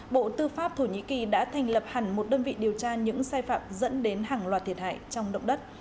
bộ tư pháp thổ nhĩ kỳ đã thành lập hẳn một đơn vị điều tra những sai phạm dẫn đến hàng loạt thiệt hại trong động đất